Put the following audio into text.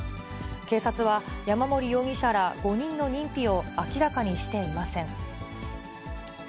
警察は山森容疑者ら５人の認否を明らかにしていません。